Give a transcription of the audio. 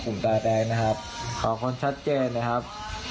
ผมตาแดงนะครับขอคนชัดเจนนะครับ